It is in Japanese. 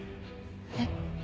えっ⁉